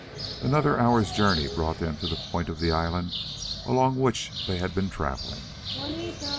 Another hour's journey brought them to the point of the island along which they had been travelling.